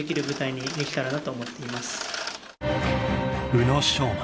［宇野昌磨。